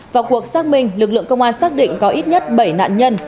vào cuộc xác minh lực lượng công an xác định có ít nhất bảy nạn nhân